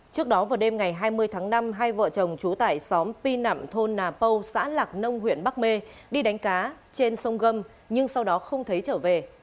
trước đó vào đêm ngày hai mươi tháng năm hai vợ chồng trú tại xóm py nậm thôn nà pâu xã lạc nông huyện bắc mê đi đánh cá trên sông gâm nhưng sau đó không thấy trở về